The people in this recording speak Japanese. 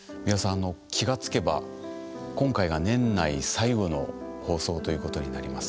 あの気が付けば今回が年内最後の放送ということになります。